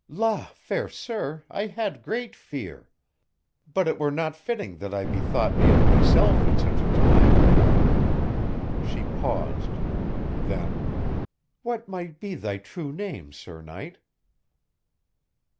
"La! fair sir I had great fear. But it were not fitting that I bethought me of myself at such a time." She paused. Then, "What might be thy true name, sir knight?"